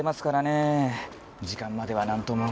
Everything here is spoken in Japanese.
時間まではなんとも。